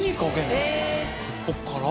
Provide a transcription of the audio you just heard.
こっから？